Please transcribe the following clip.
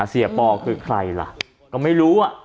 เสียปอคือใครล่ะก็ไม่รู้อ่ะ